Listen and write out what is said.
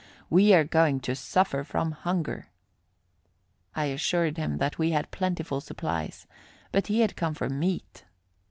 "We are going to suffer from hunger." I assured him that we had plentiful supplies, but he had come for meat.